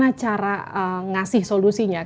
bagaimana cara ngasih solusinya